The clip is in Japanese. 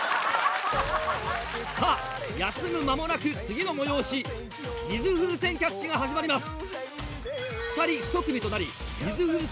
さぁ休む間もなく次の催し水風船キャッチが始まります。